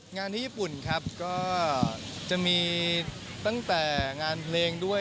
งานที่ญี่ปุ่นครับก็จะมีตั้งแต่งานเพลงด้วย